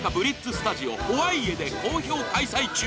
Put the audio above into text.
スタジオ・ホワイエで好評開催中。